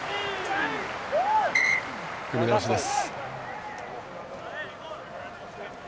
組み直しです。